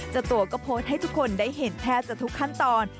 เจ้าตัวก็โพสต์ให้ทุกคนได้เห็นแทบจะทุกขั้นตอน